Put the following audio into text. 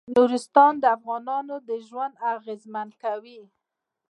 نورستان د افغانانو ژوند اغېزمن کوي.